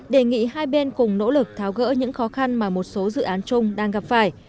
đề nghị hai bên cùng nỗ lực tháo gỡ những khó khăn mà một số dự án chung đang gặp phải